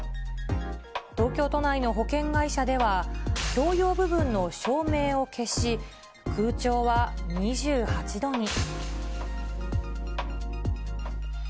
東京都内の保険会社では、共用部分の照明を消し、空調は２８度に。